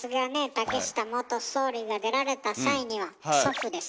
竹下元総理が出られた際には「祖父です」